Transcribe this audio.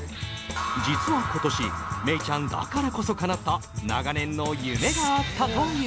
実は今年メイちゃんだからこそ叶った長年の夢があったという。